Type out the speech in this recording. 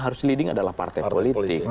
harus leading adalah partai politik